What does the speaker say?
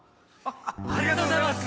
ありがとうございます！